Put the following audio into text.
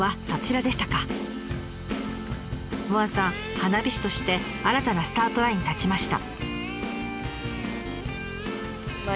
花火師として新たなスタートラインに立ちました。